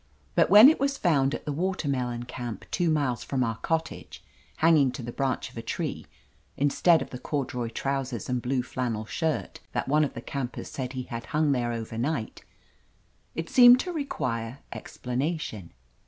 But when it was found at the Watermelon Camp, two miles from our cottage, hanging to the branch of a tree, instead of the corduroy trousers and blue flannel shirt that one of the campers said he had hung there overnight, it seemed to require explanation.